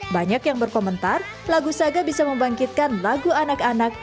banyak yang berkomentar lagu saga bisa membangkitkan lagu anak anak